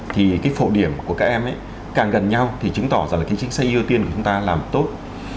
thì cái phổ điểm của các em càng gần nhau thì chứng tỏ ra là cái chính sách ưu tiên của chúng ta làm tốt